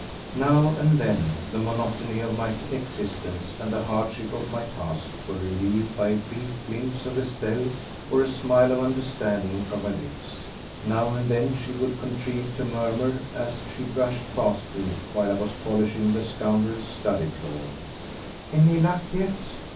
Now and then the monotony of my existence and the hardship of my task were relieved by a brief glimpse of Estelle or a smile of understanding from her lips; now and then she would contrive to murmur as she brushed past me while I was polishing the scoundrel's study floor, "Any luck yet?"